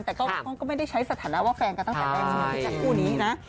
แต่เขาก็ไม่ได้ใช้สถานะว่าแฟนกันตั้งแต่แรกคู่นี้นะ